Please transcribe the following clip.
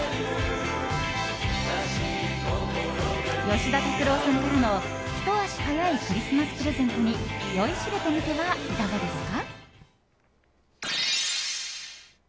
吉田拓郎さんからのひと足早いクリスマスプレゼントに酔いしれてみてはいかがですか？